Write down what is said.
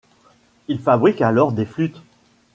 Il fabrique alors des flûtes.